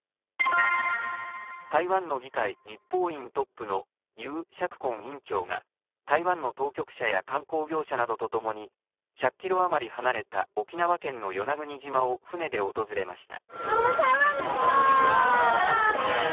台湾の議会、立法院トップの游錫こん院長が、台湾の当局者や観光業者などと共に、１００キロ余り離れた沖縄県の与那国島を船で訪れました。